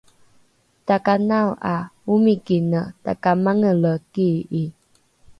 takanao ’a omikine takamangele kii’i